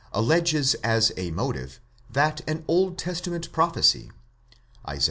alleges as a motive, that an Old Testament prophecy (Isa.